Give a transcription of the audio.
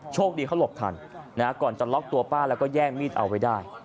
โชคดีเขาหลบทันก่อนจะล็อกตัวป้าแล้วก็แย่งมีดเอาไว้ได้